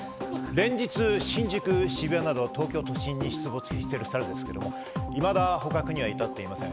連日、新宿、渋谷など東京都心に出没しているサルですけれども、未だ捕獲には至っていません。